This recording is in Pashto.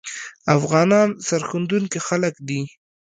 افغانان سرښندونکي خلګ دي